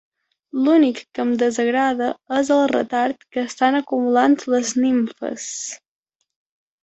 L'únic que em desagrada és el retard que estan acumulant les nimfes.